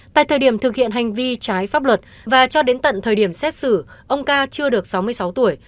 tại thời điểm thực hiện hành vi trái pháp luật và cho đến tận thời điểm xét xử ông ca chưa được sáu mươi sáu tuổi